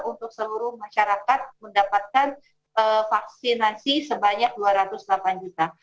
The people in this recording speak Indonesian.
untuk seluruh masyarakat mendapatkan vaksinasi sebanyak dua ratus delapan juta